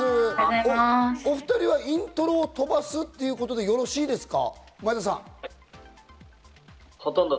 お２人はイントロを飛ばすということでよろしいですか？